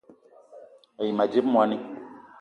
A yi ma dzip moni